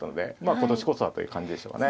今年こそはという感じでしょうね。